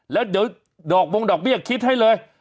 แล้วเดี๋ยวดอกบงดอกเบี้ยคิดให้เลย